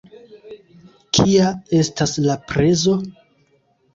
Kia estas la prezo?